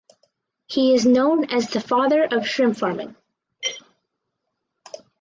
He is known as the "Father of Shrimp Farming".